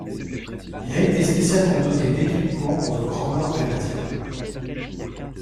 Il a été spécialement doté d'équipements pour le Grand Nord canadien.